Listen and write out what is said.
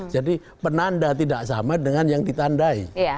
jadi penanda tidak sama dengan yang ditandai